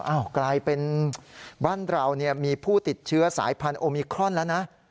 อ้าวกลายเป็นบ้านเราเนี่ยมีผู้ติดเชื้อสายพันโอมิครอนละนะ